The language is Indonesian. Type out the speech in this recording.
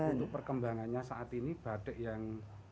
untuk perkembangannya saat ini batik yang